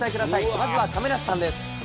まずは亀梨さんです。